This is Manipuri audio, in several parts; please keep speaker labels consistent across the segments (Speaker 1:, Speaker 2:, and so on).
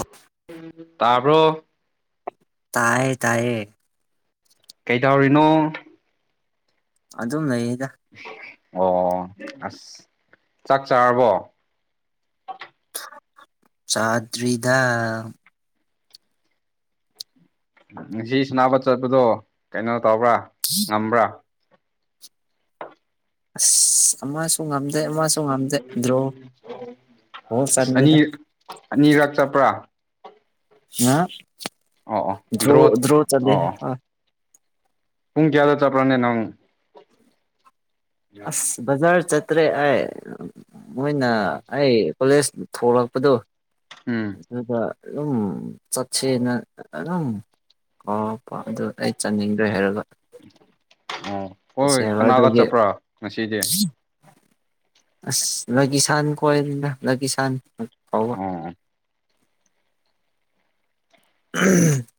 Speaker 1: ꯑꯐ
Speaker 2: ꯇꯥꯔꯕꯣ
Speaker 1: ꯇꯌꯦ ꯇꯌꯦ
Speaker 2: ꯀꯩ ꯇꯧꯔꯤꯅꯣ
Speaker 1: ꯑꯗꯨꯝ ꯂꯩꯌꯦꯗ
Speaker 2: ꯑꯣ ꯑꯁ ꯆꯥꯛ ꯆꯥꯔꯕꯣ
Speaker 1: ꯆꯥꯗ꯭ꯔꯤꯗꯥ
Speaker 2: ꯉꯁꯤ ꯁꯅꯥꯄ ꯆꯠꯄꯗꯣ ꯀꯩꯅꯣ ꯇꯧꯕ꯭ꯔꯥ ꯉꯝꯕ꯭ꯔꯥ
Speaker 1: ꯑꯁ ꯑꯃꯁꯨ ꯉꯝꯗꯦ ꯑꯃꯁꯨ ꯉꯝꯗꯦ ꯗ꯭ꯔꯣ ꯑꯣ
Speaker 2: ꯑꯁ ꯑꯅꯤ
Speaker 1: ꯆꯟꯅꯤꯗ
Speaker 2: ꯑꯅꯤꯔꯛ ꯆꯠꯄ꯭ꯔꯥ
Speaker 1: ꯑ
Speaker 2: ꯑꯣ ꯑꯣ
Speaker 1: ꯭ꯔꯣ
Speaker 2: ꯗ꯭ꯔꯣꯠ ꯑꯣ
Speaker 1: ꯭ꯔꯣꯇꯗꯦꯍ
Speaker 2: ꯑꯣ
Speaker 1: ꯍꯥ
Speaker 2: ꯄꯨꯡ ꯀꯌꯥꯗꯣ ꯆꯄ꯭ꯔꯅꯦ ꯅꯪ
Speaker 1: ꯑꯁ ꯕꯖꯥꯔ ꯆꯠꯇ꯭ꯔꯦ ꯑꯩ ꯃꯣꯏꯅ ꯑꯩ ꯀꯣꯂꯦꯖ ꯊꯣꯛꯂꯛꯄꯗꯨꯣ
Speaker 2: ꯎꯝ
Speaker 1: ꯑꯗꯨꯗ ꯑꯗꯨꯝ ꯆꯆꯅꯝ ꯑꯗꯨ ꯑꯩ ꯆꯥꯅꯤꯡꯗꯣꯏ ꯍꯥꯏꯔꯒ
Speaker 2: ꯑꯣ
Speaker 1: ꯆꯠꯁꯦ
Speaker 2: ꯍꯣꯏ
Speaker 1: ꯍꯥꯏꯕ
Speaker 2: ꯀꯅꯥꯒ
Speaker 1: ꯑꯗꯨꯒꯤ
Speaker 2: ꯆꯠꯄ꯭ꯔꯥ ꯉꯁꯤꯗꯤ
Speaker 1: ꯑꯁ ꯂꯒ ꯁꯥꯟ ꯀꯣꯏ ꯂꯒ ꯁꯥꯟ ꯑꯋꯥ
Speaker 2: ꯑꯣ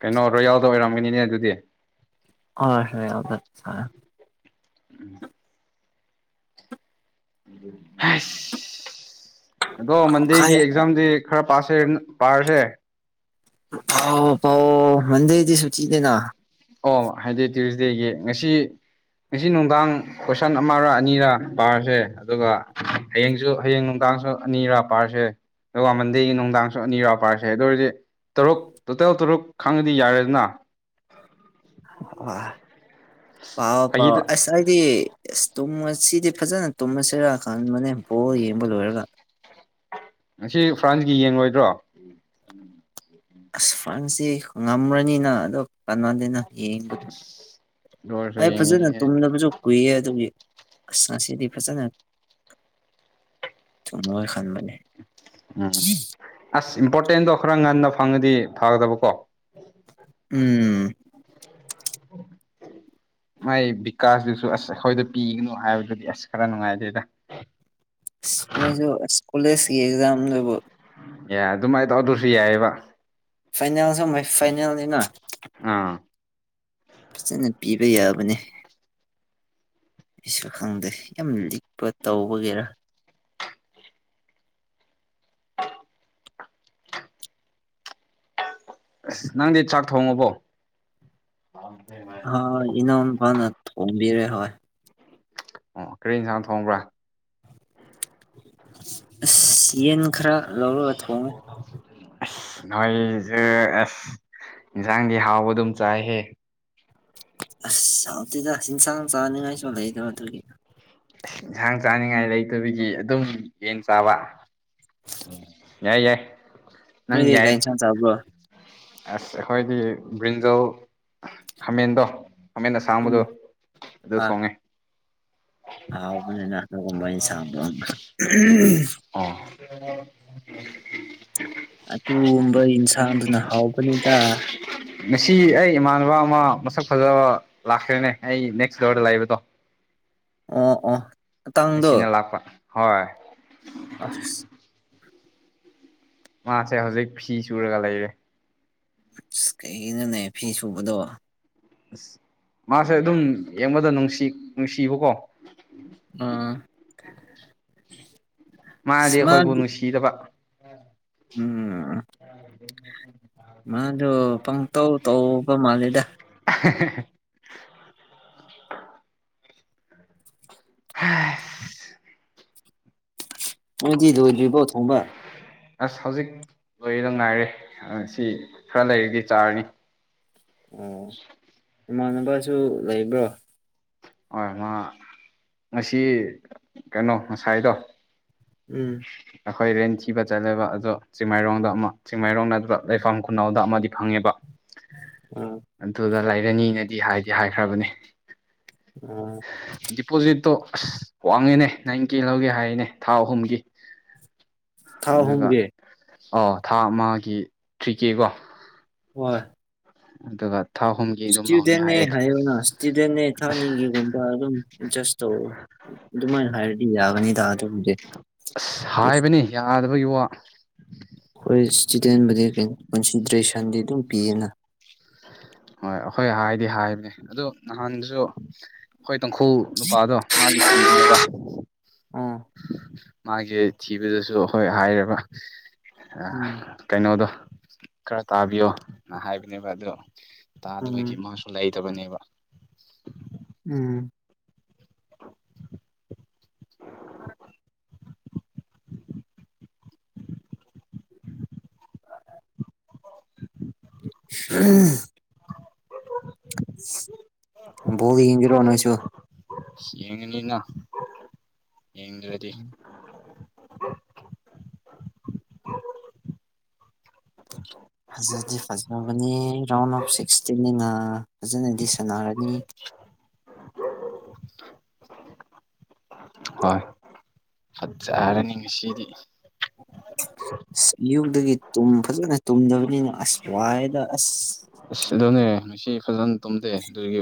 Speaker 2: ꯀꯩꯅꯣ ꯔꯣꯌꯥꯜꯗ ꯑꯣꯏꯔꯝꯒꯅꯤꯅꯦ ꯑꯗꯨꯗꯤ
Speaker 1: ꯑ ꯍꯦꯠ
Speaker 2: ꯎꯝ ꯑꯗꯣ ꯃꯟꯗꯦꯒꯤ ꯑꯦꯛꯖꯥꯝꯗꯤ ꯈꯔ ꯄꯥꯁꯦ ꯄꯥꯔꯁꯦ
Speaker 1: ꯑ ꯄꯥꯎ ꯃꯗꯦꯗꯤ ꯁꯨ ꯆꯤꯗꯅ
Speaker 2: ꯑꯣ ꯍꯥꯏꯗꯤ ꯇ꯭ꯌꯨꯁꯗꯦꯒꯤ ꯉꯁꯤ ꯉꯁꯤ ꯅꯨꯡꯗꯥꯡ ꯀꯣꯏꯁꯟ ꯑꯃꯔ ꯑꯅꯤꯔꯥ ꯄꯥꯔꯁꯦ ꯑꯗꯨꯒ ꯍꯌꯦꯡꯁꯨ ꯍꯌꯦꯡ ꯅꯨꯡꯗꯥꯡ ꯃꯤꯗꯥꯁꯨ ꯑꯅꯤꯔꯥ ꯄꯥꯔꯁꯦ ꯑꯗꯨꯒ ꯃꯟꯗꯦꯒꯤ ꯅꯨꯡꯗꯥꯡꯁꯨ ꯑꯅꯤꯔꯥ ꯄꯥꯔꯁꯦ ꯑꯗꯨ ꯑꯣꯏꯔꯗꯤ ꯇꯔꯨꯛ ꯇꯣꯇꯦꯜ ꯇꯔꯨꯛ ꯈꯪꯉꯗꯤ ꯌꯥꯔꯦꯗꯅ
Speaker 1: ꯑ ꯄꯑꯣ ꯄꯑꯣ
Speaker 2: ꯑꯩꯒꯤꯗ
Speaker 1: ꯑ ꯍꯥꯏꯗꯤ ꯑꯦꯁ ꯇꯨꯝꯃ ꯁꯤꯗꯤ ꯐꯖꯅ ꯇꯨꯝꯃꯁꯔꯥ ꯈꯟꯕꯅꯦꯕ ꯄ ꯌꯦꯡꯕ ꯂꯣꯏꯔꯒ
Speaker 2: ꯉꯁꯤ ꯐ꯭ꯔꯥꯟꯁꯀꯤ ꯌꯦꯡꯉꯣꯏꯗ꯭ꯔꯣ
Speaker 1: ꯑꯁ ꯐꯥꯟꯁꯤ ꯉꯝꯃ꯭ꯔꯅꯤꯅ ꯑꯗꯣ ꯀꯩꯅꯣꯗꯅ ꯌꯦꯡꯕꯗꯣ
Speaker 2: ꯑꯗꯨ ꯑꯣꯏꯔꯁꯨ
Speaker 1: ꯑꯩ ꯐꯖꯅ
Speaker 2: ꯌꯦꯡꯅꯤꯡꯉꯤꯍꯦ
Speaker 1: ꯇꯨꯝꯅꯕꯁꯨ ꯀꯨꯏꯌꯦ ꯑꯗꯨ ꯁꯤꯗꯤ ꯐꯖꯅ ꯊꯃ ꯈꯥꯟ ꯃꯅꯦ
Speaker 2: ꯎꯝ ꯑꯁ ꯏꯝꯄꯣꯔꯇꯦꯟꯗꯣ ꯈꯔ ꯉꯟꯅ ꯐꯪꯉꯗꯤ ꯐꯒꯗꯕꯀꯣ
Speaker 1: ꯎꯝ
Speaker 2: ꯎꯝ ꯃꯥꯏ ꯕꯤꯀꯥꯁꯇꯁꯨ ꯑꯁ ꯑꯩꯈꯣꯏꯗ ꯄꯤꯒꯅꯨ ꯍꯥꯏꯕꯗꯨꯗꯤ ꯑꯁ ꯈꯔ ꯅꯨꯡꯉꯥꯏꯖꯦꯗ [inaudible]
Speaker 1: ꯃꯣꯏꯁꯨ ꯀꯣꯂꯦꯖꯀꯤ ꯑꯦꯛꯖꯥꯝ ꯂꯕ
Speaker 2: ꯌꯥ ꯑꯗꯨꯃꯥꯏꯅ ꯇꯧ ꯑꯗꯨꯁꯨ ꯌꯥꯏꯑꯕ
Speaker 1: ꯐꯥꯏꯅꯦꯜꯁꯨ ꯐꯥꯏꯅꯦꯜꯅꯤꯅ
Speaker 2: ꯑꯥ
Speaker 1: ꯐꯖꯅ ꯄꯤꯕ ꯌꯥꯕꯅꯤ ꯑꯩꯁꯨ ꯈꯪꯗꯦ ꯌꯥꯝ ꯂꯤꯛꯄ ꯇꯧꯕꯒꯤꯦꯔꯥ
Speaker 2: ꯑꯁ ꯅꯪꯗꯤ ꯆꯥꯛ ꯊꯣꯡꯉꯕꯣ
Speaker 1: ꯍ ꯏꯅꯎ ꯐꯅ ꯊꯝꯕꯤꯔꯦ ꯍꯣꯏ
Speaker 2: ꯑꯣ ꯀꯔꯤ ꯌꯦꯟꯁꯥꯡ ꯊꯣꯡꯕ꯭ꯔꯥ
Speaker 1: ꯑꯁ ꯌꯦꯟ ꯈꯔ ꯂꯧꯔꯒ ꯊꯣꯡꯉꯨ
Speaker 2: ꯅꯣꯏꯁꯨ ꯑꯁ ꯏꯟꯁꯥꯡꯗꯤ ꯍꯥꯎꯕ ꯑꯗꯨꯝ ꯆꯥꯏꯍꯦ
Speaker 1: ꯑꯁ ꯆꯥꯎꯇꯤꯗ ꯏꯟꯁꯥꯡ ꯆꯥꯅꯤꯡꯉꯥꯏꯁꯨ ꯂꯩꯗꯕ ꯑꯗꯨꯒꯤꯅ
Speaker 2: ꯑ ꯏꯟꯁꯥꯡ ꯆꯥꯅꯤꯡꯉꯥꯏ ꯂꯩꯇꯕꯒꯤ ꯑꯗꯨꯝ ꯌꯦꯟ ꯆꯥꯕ ꯌꯥꯏ ꯌꯥꯏ ꯅꯪ
Speaker 1: ꯅꯗꯤ
Speaker 2: ꯌꯥꯏ
Speaker 1: ꯀꯩꯩꯅꯁꯟ ꯆꯕ
Speaker 2: ꯑꯁ ꯑꯩꯈꯣꯏꯗꯤ ꯕ꯭ꯔꯤꯟꯖꯣ ꯈꯥꯃꯦꯟꯗꯣ ꯈꯃꯦꯠꯅ
Speaker 1: ꯎꯝ
Speaker 2: ꯁꯥꯡꯕꯗꯣ ꯑꯗꯨ ꯊꯣꯡꯉꯦ
Speaker 1: ꯍꯥꯎꯅꯦꯅꯥ ꯁꯥꯥꯟꯗ
Speaker 2: ꯑꯣ
Speaker 1: ꯑꯗꯨꯒꯨꯝꯕ ꯌꯦꯟꯁꯥꯡꯗꯨꯅ ꯍꯥꯎꯕꯅꯤꯗ
Speaker 2: ꯉꯁꯤ ꯑꯩ ꯏꯃꯥꯟꯅꯕ ꯑꯃ ꯃꯁꯛ ꯐꯖꯕ ꯂꯥꯛꯈ꯭ꯔꯦꯅꯦ ꯑꯩ ꯅꯦꯛꯁ ꯗꯣꯔꯗ ꯂꯩꯕꯗꯣ [inaudible]
Speaker 1: ꯑ ꯑ
Speaker 2: ꯑꯁꯤꯅ ꯂꯥꯛꯄ ꯍꯣꯏ
Speaker 1: ꯑꯐꯤꯁ
Speaker 2: ꯃꯥꯁꯦ ꯍꯧꯖꯤꯛ ꯐꯤ ꯁꯨꯔꯒ ꯂꯩꯔꯦ
Speaker 1: ꯑꯁ ꯀꯩꯒꯤꯅꯣꯅꯦ ꯐꯤ ꯁꯨꯕꯗꯣ
Speaker 2: ꯑꯁ ꯃꯥꯁꯦ ꯑꯗꯨꯝ ꯌꯦꯡꯕꯗ ꯅꯨꯡꯁꯤ ꯅꯨꯡꯁꯤꯕꯀꯣ
Speaker 1: ꯑꯝ
Speaker 2: ꯃꯥꯗꯤ ꯑꯩꯈꯣꯏꯕꯨ ꯅꯨꯡꯁꯤꯗꯕ
Speaker 1: ꯎꯝ ꯃꯥꯗꯨ ꯄꯪꯇꯧ ꯇꯧꯕ ꯃꯥꯜꯂꯤꯗ
Speaker 2: ꯍ
Speaker 1: ꯅꯗꯤ ꯂꯣꯏꯗ꯭ꯔꯤꯕꯣ ꯊꯣꯡꯕ
Speaker 2: ꯑꯁ ꯍꯧꯖꯤꯛ ꯂꯣꯏꯔꯤꯗ ꯉꯥꯏꯔꯦ ꯁꯤ ꯈꯔ ꯂꯩꯔꯗꯤ ꯆꯥꯔꯅꯤ
Speaker 1: ꯑꯣ ꯏꯃꯥꯟꯅꯕꯁꯨ ꯂꯩꯕ꯭ꯔꯣ
Speaker 2: ꯍꯣꯏ ꯃꯥ ꯉꯁꯤ ꯀꯩꯅꯣ ꯉꯁꯥꯏꯗꯣ
Speaker 1: ꯎꯝ
Speaker 2: ꯑꯩꯈꯣꯏ ꯔꯦꯟ ꯊꯤꯕ ꯆꯠꯂꯦꯕ ꯑꯗꯣ ꯆꯤꯡꯃꯥꯏꯔꯣꯡꯗ ꯑꯃ ꯆꯤꯡꯃꯥꯏꯔꯣꯡ ꯅꯠꯇꯕ ꯂꯩꯐꯝ ꯈꯨꯅꯥꯎꯗ ꯑꯃꯗꯤ ꯐꯪꯉꯦꯕ
Speaker 1: ꯑꯥ
Speaker 2: ꯑꯗꯨꯗ ꯂꯩꯔꯅꯤꯅꯗꯤ ꯍꯥꯏꯗꯤ ꯍꯥꯏꯈ꯭ꯔꯕꯅꯤ
Speaker 1: ꯑꯥ
Speaker 2: ꯗꯤꯄꯣꯖꯤꯠ ꯑꯁ ꯋꯥꯡꯉꯦꯅꯦ ꯅꯪ ꯀꯦ ꯂꯧꯒꯦ ꯍꯥꯏꯔꯤꯅꯦ ꯊꯥ ꯑꯍꯨꯝꯒꯤ
Speaker 1: ꯊꯥ
Speaker 2: ꯑꯗꯨꯒ
Speaker 1: ꯍꯣꯡꯒꯦ
Speaker 2: ꯑꯣ ꯊꯥ ꯑꯃꯒꯤ ꯊ꯭ꯔꯤ ꯀꯦꯀꯣ
Speaker 1: ꯋꯥꯏ
Speaker 2: ꯑꯗꯨꯗ
Speaker 1: ꯏꯁꯇꯤꯗꯅꯦ ꯍꯥꯏꯣꯅ ꯏꯁꯇꯤꯗꯅꯦ ꯊꯥꯅꯤꯒꯤꯒꯨꯝꯕ ꯑꯗꯨꯝ ꯆꯁꯣ ꯑꯗꯨꯃꯥꯏꯅ ꯍꯥꯏꯔꯗꯤ ꯌꯥꯒꯅꯤꯗ ꯑꯗꯨꯕꯨꯗꯤ
Speaker 2: ꯑꯁ ꯍꯥꯏꯕꯅꯤ ꯌꯥꯗꯕꯒꯤ ꯋꯥ
Speaker 1: ꯍꯣꯏ ꯏꯁꯇꯨꯗꯦꯟꯕꯨꯗꯤ ꯀꯣꯟꯁꯤꯗ꯭ꯔꯦꯁꯟꯗꯤ ꯑꯗꯨꯝ ꯄꯤꯌꯦꯅ
Speaker 2: ꯍꯣꯏ ꯑꯩꯈꯣꯏ ꯍꯥꯏꯗꯤ ꯍꯥꯏꯕꯅꯦ ꯑꯗꯨ ꯅꯍꯥꯟꯁꯨ ꯇꯪꯈꯨꯜ ꯅꯨꯄꯥꯗꯣ ꯃꯥꯒꯤ ꯊꯤꯕꯅꯦꯕ
Speaker 1: ꯑꯥ
Speaker 2: ꯃꯥꯒꯤ ꯊꯤꯕꯗꯁꯨ ꯍꯣꯏ ꯍꯥꯏꯔꯕ ꯑ
Speaker 1: ꯎꯝ
Speaker 2: ꯀꯩꯩꯅꯣꯗ ꯈꯔ ꯇꯥꯕꯤꯌꯣ ꯍꯥꯏꯕꯅꯦꯕ ꯑꯗꯨ
Speaker 1: ꯎꯝ
Speaker 2: ꯇꯥꯗꯕꯒꯤ ꯃꯥꯁꯨ ꯂꯩ ꯕꯅꯦꯕ
Speaker 1: ꯎꯝ
Speaker 2: [inaudible]
Speaker 1: ꯎ ꯣꯗꯤ ꯌꯦꯒꯤꯔꯣ ꯋꯥꯅ ꯆꯣ
Speaker 2: ꯑꯁ ꯌꯦꯡꯉꯅꯤꯅ ꯌꯦꯡꯗ꯭ꯔꯗꯤ
Speaker 1: ꯐꯖꯗꯤ ꯐꯖꯕꯅꯤ ꯔꯥꯎꯟ ꯑꯣꯐ ꯁꯤꯛꯁꯇꯤꯟꯅꯤꯅ ꯐꯖꯅꯗꯤ ꯁꯥꯟꯅꯔ ꯑ
Speaker 2: ꯑꯣ ꯍꯣꯏ ꯐꯠꯖ ꯍꯥꯏꯔꯅꯤ ꯉꯁꯤꯗꯤ
Speaker 1: ꯑꯁ ꯑꯌꯨꯛꯇꯒꯤꯨꯝ ꯐꯖꯅ ꯇꯨꯝꯗꯕꯅꯤꯅ ꯑꯁ ꯋꯥꯏꯗ ꯑꯁ
Speaker 2: ꯑꯁ ꯑꯗꯨꯅꯦ ꯉꯁꯤ ꯐꯖꯅ ꯇꯨꯝꯗꯦ ꯑꯗꯨꯒꯤ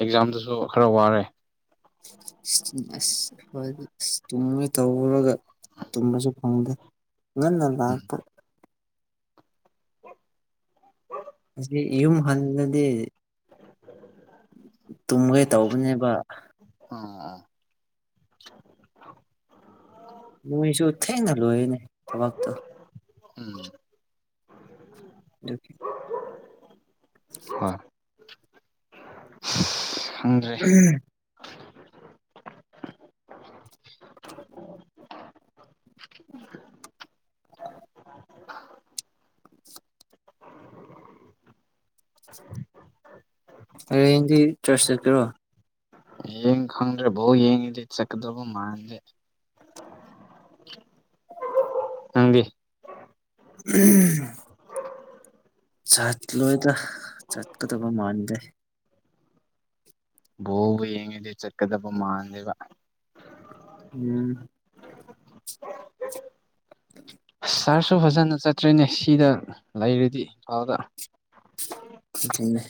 Speaker 2: ꯑꯦꯛꯖꯥꯝꯗꯨꯁꯨ ꯈꯔ ꯋꯥꯔꯦ
Speaker 1: ꯑꯁ ꯍꯣꯏꯗꯤ ꯑꯁ ꯇꯨꯝ ꯇꯧꯔꯒ ꯇꯨꯝꯕꯁꯨ ꯐꯪꯗꯦ ꯌꯦ
Speaker 2: ꯎꯝ
Speaker 1: ꯅꯗꯄ ꯑꯁꯤ ꯌꯨꯝ ꯍꯜꯂꯗꯤ ꯇꯨꯝꯈꯩ ꯇꯧꯕꯅꯦꯕ
Speaker 2: ꯑꯥ
Speaker 1: ꯂꯁꯨ ꯊꯩꯅꯦ ꯂꯣꯏꯣꯏꯅꯦ ꯊꯕꯛꯛꯇ
Speaker 2: ꯎꯝ
Speaker 1: ꯂꯣꯛꯀꯦ
Speaker 2: ꯍꯣꯏ
Speaker 1: [inaudible]
Speaker 2: ꯈꯪꯗ꯭ꯔꯦ
Speaker 1: ꯎ [unintelligible] ꯑꯦ ꯍꯤꯟꯗꯤ ꯆ꯭ꯔꯁ ꯆꯠ ꯀ꯭ꯔꯣ
Speaker 2: ꯭ꯔ ꯣ ꯌꯦꯦꯡꯗꯤ ꯏꯠ ꯁꯀꯕ ꯃꯥꯗꯦ ꯅꯪꯒꯤ
Speaker 1: ꯎꯝ ꯆꯠꯂꯣꯏꯗ ꯆꯠꯀꯗꯕ ꯃꯥꯟꯗꯦ
Speaker 2: ꯗꯤ ꯆꯠꯀꯗꯕ ꯃꯥꯟꯂꯦꯕ
Speaker 1: ꯎꯝ
Speaker 2: ꯁꯥꯔꯁꯨ ꯐꯖꯅ ꯆꯠꯇ꯭ꯔꯔꯤꯅꯦ ꯁꯤꯗ ꯂꯩꯔꯗꯤ ꯏꯝꯐꯥꯜꯗ
Speaker 1: ꯁꯤꯅꯦ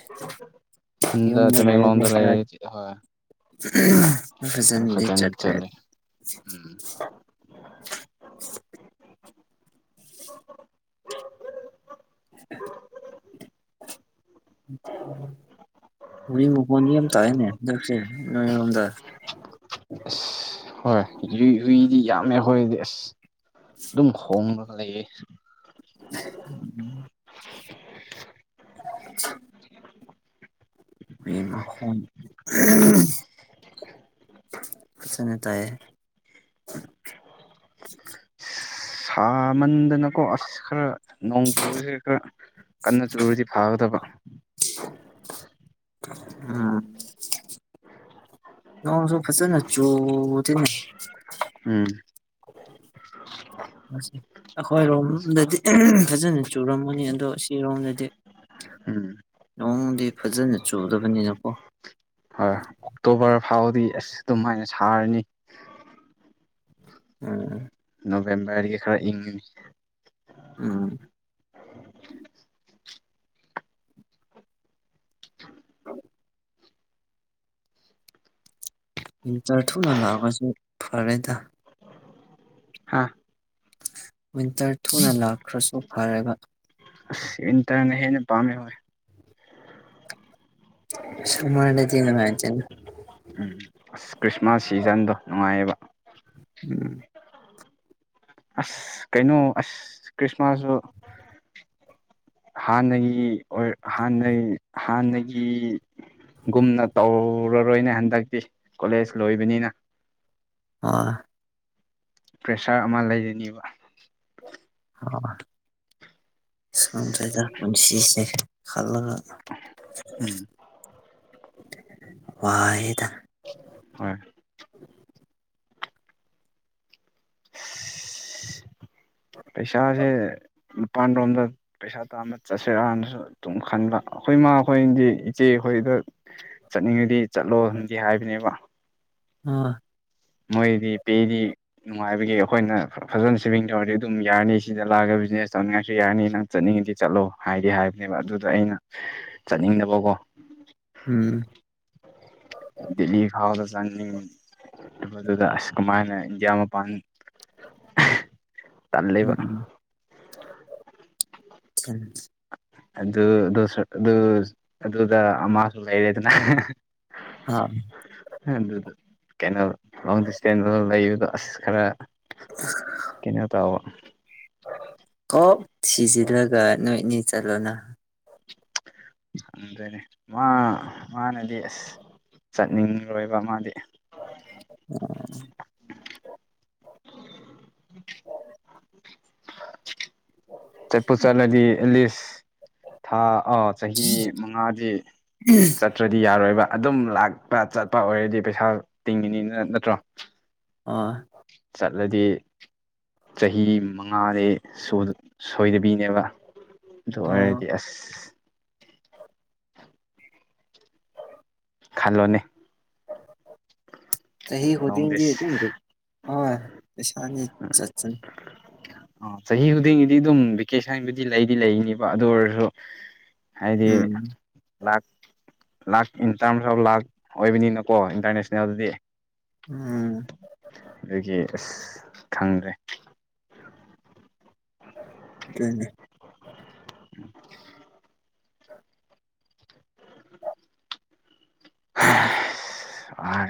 Speaker 2: ꯈꯨꯟꯗ ꯇꯃꯦꯡꯂꯣꯡꯗ ꯂꯩꯔꯤ ꯍꯣꯏ ꯈꯔ
Speaker 1: ꯐꯖꯟꯗꯤ
Speaker 2: ꯐꯖꯅ
Speaker 1: ꯆꯠꯇ
Speaker 2: ꯆꯠꯂꯦ ꯎꯝ
Speaker 1: [unintelligible] [unintelligible] ꯃ ꯃꯣꯟꯅꯤ ꯌꯥꯝ ꯇꯥꯏꯅꯦꯁ ꯅꯣꯏꯔꯣꯝꯗ
Speaker 2: ꯑꯁ ꯍꯣꯏ ꯍꯨꯏ ꯍꯨꯏꯗꯤ ꯌꯥꯝꯃꯦ ꯍꯣꯏꯗꯤ ꯑꯁ ꯑꯗꯨꯝ ꯍꯣꯡꯕ ꯍꯦ
Speaker 1: ꯎꯝ [unintelligible] ꯑꯩꯃ ꯍ ꯐꯁꯅ ꯇꯥꯏꯌꯦ [unintelligible]
Speaker 2: ꯥ ꯃꯟꯗꯅꯀꯣ ꯑꯁ ꯈꯔ ꯅꯣꯡ ꯆꯨꯕꯁꯦ ꯈꯔ ꯀꯟꯅ ꯆꯨꯔꯗꯤ ꯐꯥꯒꯗꯕ
Speaker 1: ꯎꯝ ꯑꯣ ꯁꯣ ꯐꯁꯦ ꯅ ꯆꯣ ꯊ
Speaker 2: ꯎꯝ
Speaker 1: ꯁ ꯑꯩꯈꯣꯏꯔꯣꯝꯗꯗꯤ ꯐꯖꯅ ꯆꯨꯔꯝꯃꯅꯤ ꯑꯗꯣ ꯁꯤꯔꯣꯝꯗꯗꯤ
Speaker 2: ꯎꯝ
Speaker 1: ꯅꯉꯣꯡꯗꯤ ꯐꯖꯅ ꯆꯨꯗꯕꯅꯤꯅꯀꯣ
Speaker 2: ꯈꯔ ꯐꯥꯎꯗꯤ ꯑꯁ ꯑꯗꯨꯝ ꯍꯥꯏꯅ ꯁꯥꯔꯅꯤ
Speaker 1: ꯎꯝ
Speaker 2: ꯅꯕꯦꯝꯕꯔꯒꯤ ꯈꯔ ꯏꯪꯅꯤ
Speaker 1: ꯎꯝ ꯏꯟꯇꯔ ꯊꯨꯅ ꯂꯥꯛꯑꯒꯁꯨ ꯐꯔꯦꯗ
Speaker 2: ꯍꯥ
Speaker 1: ꯋꯤꯟꯇꯔ ꯊꯨꯅ ꯂꯥꯛꯈ꯭ꯔꯁꯨ ꯐꯔꯒ
Speaker 2: ꯇꯔ ꯍꯦꯅ ꯄꯝ ꯍ
Speaker 1: ꯁꯃꯔ ꯆꯅ ꯍꯥꯏ ꯆ
Speaker 2: ꯎꯝ ꯈ꯭ꯔꯤꯁꯃꯥꯁ ꯁꯤꯖꯟꯗꯣ ꯅꯨꯡꯉꯥꯏꯌꯦꯕ
Speaker 1: ꯎꯝ
Speaker 2: ꯑꯁ ꯀꯩꯅꯣ ꯑꯁ ꯈ꯭ꯔꯤꯁꯃꯥꯁꯁꯨ ꯍꯥꯟꯅꯒꯤ ꯑꯣꯏ ꯍꯥꯟꯅꯒꯤ ꯍꯥꯟꯅꯒꯤ ꯒꯤ ꯒꯨꯝꯅ ꯇꯧꯔꯔꯣꯏꯅꯦ ꯍꯟꯗꯛꯇꯤ ꯀꯣꯂꯦꯖ ꯂꯣꯏꯕꯅꯤꯅ
Speaker 1: ꯑ
Speaker 2: ꯄ꯭ꯔꯦꯁꯔ ꯑꯃ ꯂꯩꯔꯅꯦꯕ
Speaker 1: ꯁ꯭ꯔꯗ ꯄꯨꯟꯁꯤ ꯈꯜꯂ
Speaker 2: ꯎꯝ
Speaker 1: ꯋꯥꯌꯦꯦꯗ
Speaker 2: ꯍꯣꯏ ꯄꯩꯁꯥꯁꯦ ꯅꯤꯄꯥꯜ ꯔꯣꯝꯗ ꯄꯩꯁꯥ ꯇꯥꯅ ꯆꯠꯁꯤꯔꯛꯅꯁꯨ ꯑꯗꯨꯝ ꯈꯟꯕ ꯑꯩꯈꯣꯏ ꯏꯃꯥ ꯑꯩꯈꯣꯏꯗꯤ ꯏꯆꯦꯈꯣꯏꯗ ꯆꯠꯅꯤꯡꯉꯗꯤ ꯆꯠꯂꯣꯗꯤ ꯍꯥꯏꯕꯅꯦꯕ
Speaker 1: ꯑ
Speaker 2: ꯃꯣꯏꯗꯤ ꯄꯦꯗꯤ ꯅꯨꯡꯉꯥꯏꯕꯒꯤ ꯑꯩꯈꯣꯏꯅ ꯐꯖꯅ ꯁꯦꯚꯤꯡ ꯇꯧꯔꯗꯤ ꯑꯗꯨꯝ ꯌꯥꯔꯅꯤ ꯁꯤꯗ ꯂꯥꯛꯑꯒ ꯕꯤꯖꯤꯅꯦꯁ ꯇꯧꯅꯤꯡꯉꯥꯏꯁꯨ ꯌꯥꯔꯅꯤ ꯅꯪ ꯆꯠꯅꯤꯡꯉꯤꯗꯤ ꯆꯠꯂꯣ ꯍꯥꯏꯗꯤ ꯍꯥꯏꯕꯅꯦꯕ ꯑꯗꯨꯗ ꯑꯩꯅ ꯆꯠꯅꯤꯡꯗꯕꯀꯣ ꯎꯝ
Speaker 1: ꯎꯝ
Speaker 2: ꯗ ꯈꯗ ꯔꯟꯅꯤꯡ ꯃꯗꯨꯗ ꯑꯁ ꯀꯃꯥꯏꯅ ꯏꯟꯗꯤꯌꯥ ꯃꯄꯥꯟ ꯇꯟ ꯂꯩꯕ
Speaker 1: ꯎꯝ
Speaker 2: ꯑꯗꯨ ꯑꯗꯨꯁꯨ ꯑꯗꯨ ꯑꯗꯨꯗ ꯑꯃꯁꯁꯨ ꯂꯩꯔꯦꯗꯅ
Speaker 1: ꯑꯥ
Speaker 2: ꯑꯗꯨꯗ ꯀꯩꯅꯣ ꯂꯣꯡ ꯗꯤꯁꯇꯦꯟꯁ ꯂꯩꯕꯗꯣ ꯑꯁ ꯈꯔ ꯀꯩꯅꯣ ꯇꯕ
Speaker 1: ꯀꯣꯛ ꯁꯤꯖꯤꯜꯂꯒ ꯅꯣꯏꯅꯤ ꯆꯠꯂꯣꯅ
Speaker 2: ꯗꯅꯤ ꯃꯥ ꯃꯥꯅꯦꯗꯤꯦꯁ ꯆꯠꯅꯤꯡꯂꯣꯏꯕ ꯑꯃꯗꯤꯗꯤ
Speaker 1: [unintelligible]
Speaker 2: ꯇ ꯄꯨꯁꯅꯗꯤ ꯂꯤ ꯊꯥ ꯑ ꯆꯍꯤ ꯃꯉꯥꯗꯤ ꯆꯠꯇ꯭ꯔꯗꯤ ꯌꯥꯔꯣꯏꯕ ꯑꯗꯨꯝ ꯂꯥꯛꯄ ꯆꯠꯄ ꯑꯣꯏꯔꯗꯤ ꯄꯩꯁꯥ ꯇꯤꯡꯉꯤꯅꯤꯅ ꯅꯠꯇ꯭ꯔꯣ
Speaker 1: ꯑ
Speaker 2: ꯆꯠꯂꯗꯤ ꯆꯍꯤ ꯃꯉꯥꯗꯤ ꯁꯣꯏꯗꯕꯤꯅꯦꯕ
Speaker 1: ꯑꯣ
Speaker 2: ꯉꯥꯏꯗꯤ ꯑꯁ ꯈꯜꯂꯣꯅꯦ
Speaker 1: ꯁꯍꯤ
Speaker 2: ꯂꯣꯡ
Speaker 1: ꯍꯗꯗꯤ
Speaker 2: ꯗꯤꯁ
Speaker 1: ꯑꯗꯨ ꯄꯁ ꯆꯠ
Speaker 2: ꯑꯣ ꯆꯍꯤ ꯈꯨꯗꯤꯡꯒꯤꯗꯤ ꯑꯗꯨꯝ ꯚꯦꯀꯦꯁꯟꯕꯨꯗꯤ ꯂꯩꯗꯤ ꯂꯩꯅꯤꯕ ꯑꯗꯨ ꯑꯣꯏꯔꯁꯨ ꯍꯥꯏꯗꯤ
Speaker 1: ꯎꯝ
Speaker 2: ꯂꯥꯛ ꯂꯥꯛ ꯏꯟꯇꯔꯝꯁꯐ ꯂꯥꯛ ꯑꯣꯏꯕꯅꯤꯅꯀꯣ ꯏꯟꯇꯔꯅꯦꯁꯅꯦꯜꯗꯤ
Speaker 1: ꯎꯝ
Speaker 2: ꯑꯗꯨꯗꯒꯤ ꯑꯁ ꯈꯪꯗ꯭ꯔꯦ
Speaker 1: ꯀꯅꯤ
Speaker 2: ꯎꯝ
Speaker 1: ꯑ
Speaker 2: ꯑ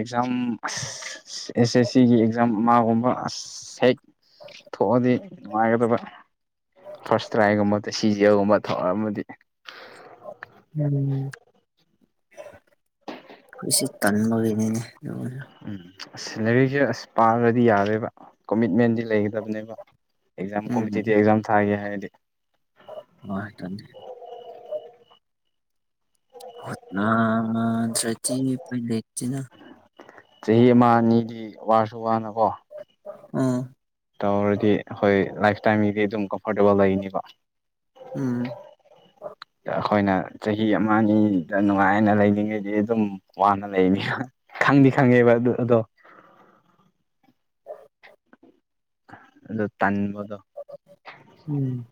Speaker 2: ꯑꯦꯖꯝ ꯑꯦꯁ ꯑꯦꯁ ꯁꯤꯒꯤ ꯑꯦꯛꯖꯥꯝ ꯃꯥꯒꯨꯝꯕ ꯑꯁ ꯍꯦꯛ ꯊꯣꯛꯑꯗꯤ ꯅꯨꯡꯉꯥꯏꯒꯗꯕ ꯐꯥꯔꯁ ꯇ꯭ꯔꯥꯏꯒꯨꯝꯕ ꯁꯤꯖꯒꯨꯝꯕ ꯊꯧꯔꯝ ꯑꯃꯗꯤ
Speaker 1: ꯎꯝ ꯑꯩꯈꯣꯏ ꯁꯤ ꯇꯟꯕꯒꯤꯅꯤꯅꯦ ꯌꯥ
Speaker 2: ꯎꯝ ꯑꯁ ꯁꯦꯂꯔꯤꯁꯦ ꯑꯁ ꯄꯥꯔꯗꯤ ꯌꯥꯔꯦꯕ ꯀꯣꯃꯤꯠꯃꯦꯟꯗꯤ ꯂꯩꯒꯗꯕꯅꯦꯕ ꯑꯦꯛꯖꯝ ꯀꯣꯝꯇꯦꯇ ꯑꯦꯛꯖꯝ ꯊꯑꯒꯦ ꯍꯥꯏꯗꯤ
Speaker 1: ꯋꯥ ꯇꯅꯤ ꯅꯥ ꯃꯗ꯭ꯔ ꯄ
Speaker 2: ꯆꯍꯤ ꯑꯃ ꯑꯅꯤꯗꯤ ꯋꯥꯁꯨ ꯋꯥꯅꯀꯣ
Speaker 1: ꯑꯝ
Speaker 2: ꯇꯧꯔꯗꯤ ꯍꯣꯏ ꯂꯥꯏꯐꯇꯥꯏꯝꯒꯤꯗꯤ ꯑꯗꯨꯝ ꯀꯝꯐꯣꯔꯇꯦꯕꯜ ꯂꯩꯅꯤꯀꯣ
Speaker 1: ꯎꯝ
Speaker 2: ꯑꯩꯈꯣꯏꯅ ꯆꯍꯤ ꯑꯃ ꯑꯅꯤꯗ ꯅꯨꯡꯉꯥꯏꯅ ꯂꯩꯔꯤꯉꯩꯗꯤ ꯑꯗꯨꯝ ꯋꯥꯅ ꯂꯩꯅꯤ ꯗꯤ ꯈꯪꯉꯦꯕ ꯑꯗꯨ ꯑꯗꯣ
Speaker 1: [inaudible]
Speaker 2: ꯑꯗꯨ ꯇꯟ ꯃ
Speaker 1: ꯎꯝ